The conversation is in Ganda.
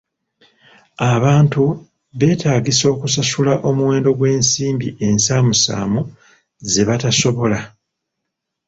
Abantu betaagisa okusasula omuwendo gw'ensimbi ensaamusaamu ze batasobola.